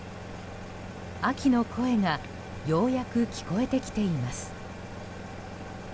秋の声がようやく聞こえてきています。